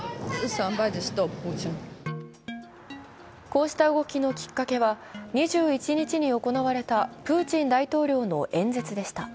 こうした動きのきっかけは２１日に行われたプーチン大統領の演説でした。